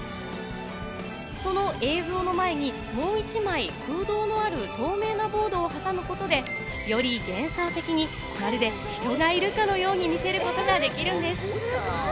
その映像の前にもう１枚空洞のある透明のボードを挟むことで、より幻想的に、まるで人がいるかのように見せることができるんです。